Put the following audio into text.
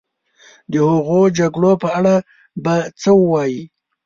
د هغو جګړو په اړه به څه ووایې.